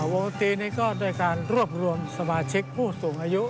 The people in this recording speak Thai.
วงตรีนี้ก็ด้วยการรวบรวมสมาชิกผู้สูงอายุ